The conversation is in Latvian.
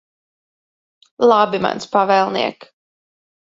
Labi, mans pavēlniek.